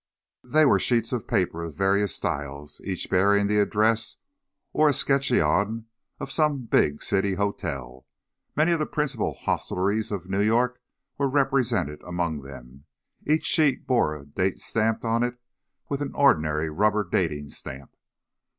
They were sheets of paper of various styles, each bearing the address or escutcheon of some big city hotel. Many of the principal hostelries of New York were represented among them. Each sheet bore a date stamped on it with an ordinary rubber dating stamp.